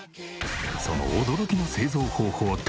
その驚きの製造方法とは？